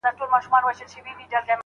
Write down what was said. شاګرد وویل چي هغه غواړي نوې موضوع وڅېړي.